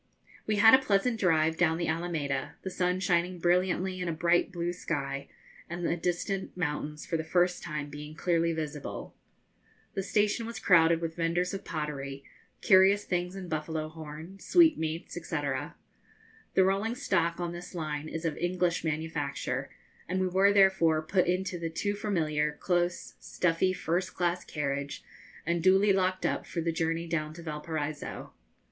We had a pleasant drive down the Alameda, the sun shining brilliantly in a bright blue sky, and the distant mountains for the first time being clearly visible. The station was crowded with vendors of pottery, curious things in buffalo horn, sweetmeats, &c. The rolling stock on this line is of English manufacture, and we were therefore put into the too familiar, close, stuffy, first class carriage, and duly locked up for the journey down to Valparaiso.